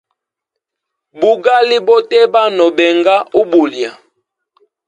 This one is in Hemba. Bugali boteba, no benga ubulya.